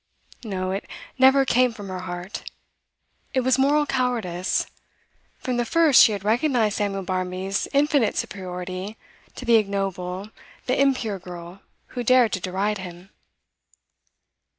No, it never came from her heart; it was moral cowardice; from the first she had recognised Samuel Barmby's infinite superiority to the ignoble, the impure girl who dared to deride him.